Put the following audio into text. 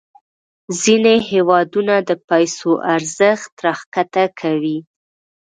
ځینې هیوادونه د پیسو ارزښت راښکته کوي.